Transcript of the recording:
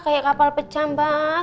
kayak kapal pecah mbak